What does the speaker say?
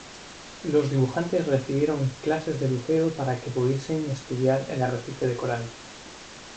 Los dibujantes recibieron clases de buceo para que pudiesen estudiar el arrecife de coral.